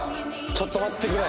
ちょっと待ってくれ！